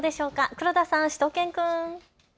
黒田さん、しゅと犬くん。